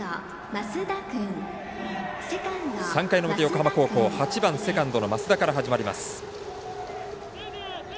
３回の表、横浜高校８番、セカンドの増田から始まります。